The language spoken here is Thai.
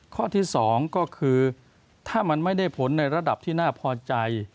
ข้อที่๒ก็คือถ้ามันไม่ได้ผลในระดับที่น่าพอใจ